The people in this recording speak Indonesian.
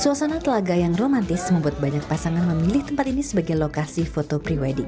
suasana telaga yang romantis membuat banyak pasangan memilih tempat ini sebagai lokasi foto pribadi